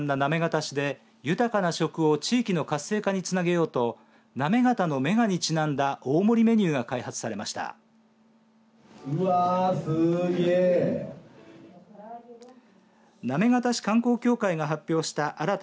市で豊かな食を地域の活性化につなげようとなめがたの、めがにちなんだ大盛りメニューが開発されました。